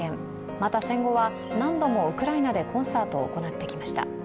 また戦後は何度もウクライナでコンサートを行ってきました。